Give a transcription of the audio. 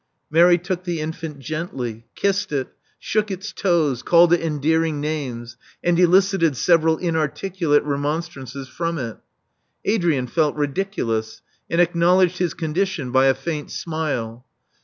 ^lary took the infant gently; kissed it; shook its toes; called it endearing names; and elicited several inarticulate remonstrances from it Adrian felt ridiculous, and acknowledged his condition by a faint smile.